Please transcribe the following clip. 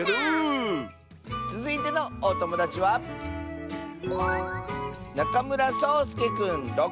つづいてのおともだちはそうすけくんの。